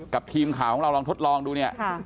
กับทีมข่าวของเราลองทดลองดูเนี่ย